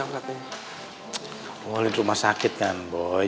walaupun rumah sakit kan boy